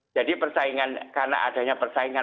jadi persaingan karena adanya persaingan